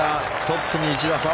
トップに１打差。